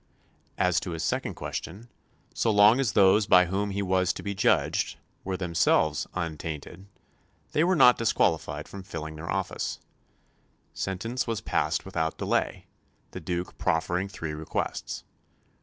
As to his second question, so long as those by whom he was to be judged were themselves unattainted, they were not disqualified from filling their office. Sentence was passed without delay, the Duke proffering three requests.